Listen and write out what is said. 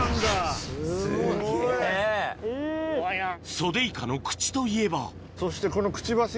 ソデイカの口といえばそしてこの。